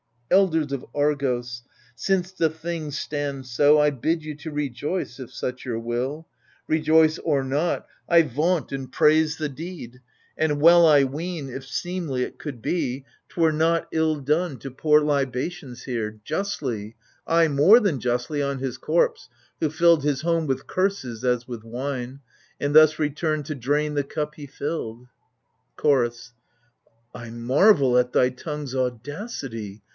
Elders of Argos — since the thing stands so, I bid you to rejoice, if such your will : Rejoice or not, I vaunt and praise the deed, And well I ween, if seemly it could be, *Twere not ill done to pour libations here, Justly — ay, more than justly — on his corpse Who filled his home with curses as with wine, And thus returned to drain the cup he filled. Chorus I marvel at thy tongue's audacity.